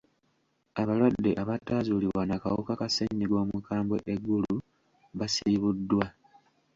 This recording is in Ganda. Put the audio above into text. Abalwadde abataazuulibwa na kawuka ka ssennyiga omukambwe e Gulu basiibuddwa.